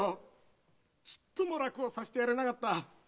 ちっとも楽をさせてやれなかった。